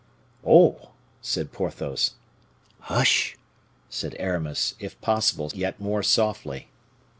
"Oh!" said Porthos. "Hush!" said Aramis, if possible, yet more softly.